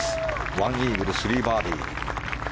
１イーグル３バーディー。